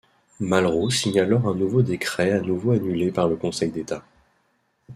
Malraux signe alors un nouveau décret à nouveau annulé par le Conseil d'État.